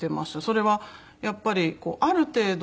それはやっぱりある程度。